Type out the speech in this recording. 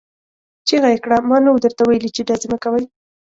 چيغه يې کړه! ما نه وو درته ويلي چې ډزې مه کوئ!